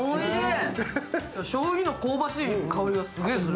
しょうゆの香ばしい香りがすげえする。